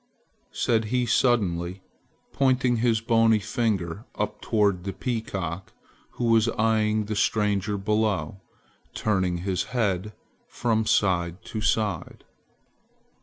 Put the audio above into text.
said he suddenly, pointing his bony finger up toward the peacock, who was eyeing the stranger below, turning his head from side to side.